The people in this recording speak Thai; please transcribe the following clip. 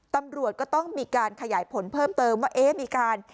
ตำรวจก็ต้องมีการขยายผลเพิ่มเติมว่าเอ๊ะมีการ